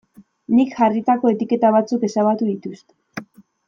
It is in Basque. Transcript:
Nik jarritako etiketa batzuk ezabatu dituzte.